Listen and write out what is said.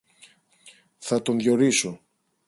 Θα τον διορίσω.